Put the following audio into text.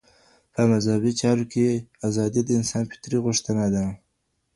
په مذهبي چارو کي ازادي د انسان فطري غوښتنه ده.